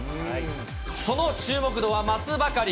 その注目度は増すばかり。